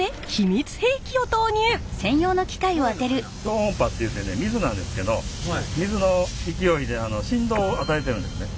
超音波っていうてね水なんですけど水の勢いで振動を与えてるんですね。